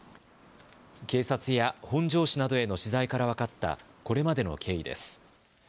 警察や本庄市などへの取材から分かった、これまでの経緯です。